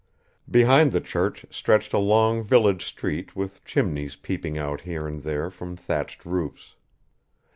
Behind the church stretched a long village street with chimneys peeping out here and there from thatched roofs.